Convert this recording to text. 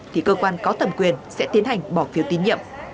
thì cơ quan có thẩm quyền sẽ tiến hành bỏ phiếu tín nhiệm